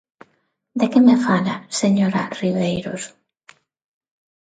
¿De que me fala, señora Ribeiros?